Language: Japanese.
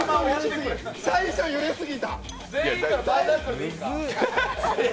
最初揺れすぎた。